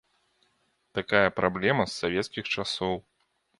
Такая праблема з савецкіх часоў.